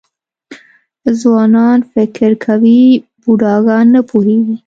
ځوانان فکر کوي بوډاګان نه پوهېږي .